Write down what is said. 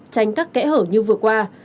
tránh các kẽ hở như vừa qua